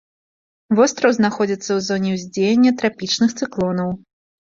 Востраў знаходзіцца ў зоне ўздзеяння трапічных цыклонаў.